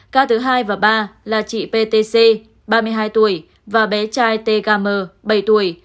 ca thứ hai và ba là chị ptc ba mươi hai tuổi và bé trai tkm bảy tuổi